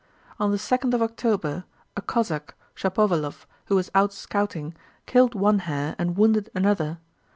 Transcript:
On the second of October a Cossack, Shapoválov, who was out scouting, killed one hare and wounded another.